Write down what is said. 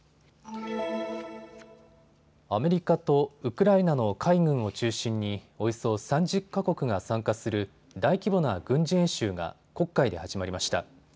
アメリカとウクライナの海軍を中心におよそ３０か国が参加する大規模な軍事演習が黒海で始まりました。